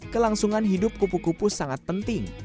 kelangsungan hidup kupu kupu sangat penting